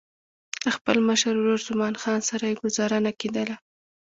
له خپل مشر ورور زمان خان سره یې ګوزاره نه کېدله.